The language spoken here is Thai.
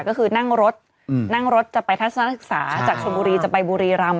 ก็คือนั่งรถนั่งรถจะไปทัศนศึกษาจากชนบุรีจะไปบุรีรำ